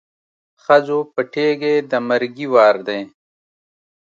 ښځو پټېږی د مرګي وار دی